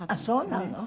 そうなの？